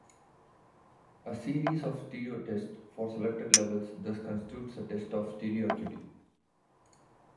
A series of stereotests for selected levels thus constitutes a test of stereoacuity.